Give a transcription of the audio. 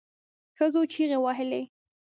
ښځو چیغې وهلې.